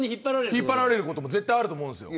引っ張られることも絶対にあると思うんですよ。